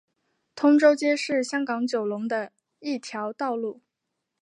通州街是香港九龙的一条道路。